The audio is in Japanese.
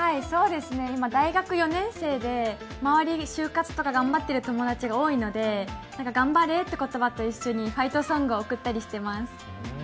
今、大学４年生で周りに就活とか頑張ってる友達が多いので頑張れという言葉と一緒に、ファイトソングを送ったりしてます。